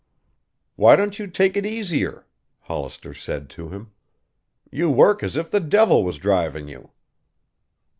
"Why don't you take it easier?" Hollister said to him. "You work as if the devil was driving you."